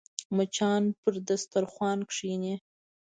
مچان پر دسترخوان کښېني